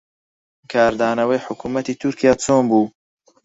کاردانەوەی حکوومەتی تورکیا چۆن بوو؟